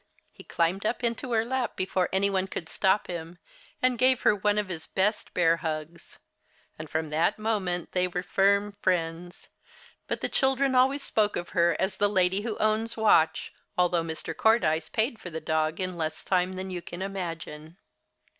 He climbed into her lap before any one could stop him, and gave her one of his best bear hugs. And from that moment they were firm friends. But the children always spoke of her as the "lady who owns Watch," although Mr. Cordyce paid for the dog in less time than you can imagine.